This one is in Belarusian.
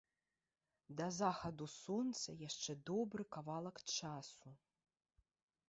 Да захаду сонца яшчэ добры кавалак часу.